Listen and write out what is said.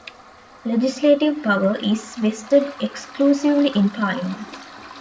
Legislative power is vested exclusively in Parliament.